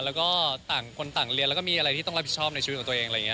แล้วก็ต่างคนต่างเรียนแล้วก็มีอะไรที่ต้องรับผิดชอบในชีวิตของตัวเองอะไรอย่างนี้